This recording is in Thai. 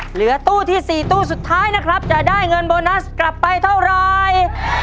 เหลือตู้ที่๔ตู้สุดท้ายนะครับจะได้เงินโบนัสกลับไปเท่าไร